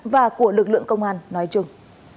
và của lực lượng công an nói chung